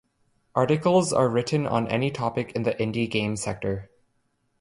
Articles are written on any topic in the indie game sector.